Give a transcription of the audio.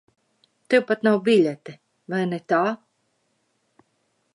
Tev pat nav biļete, vai ne tā?